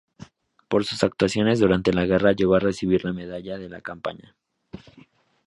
Por sus actuaciones durante la guerra llegó a recibir la Medalla de la Campaña.